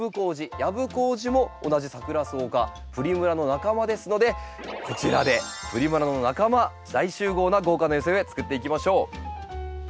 ヤブコウジも同じサクラソウ科プリムラの仲間ですのでこちらでプリムラの仲間大集合な豪華な寄せ植えつくっていきましょう。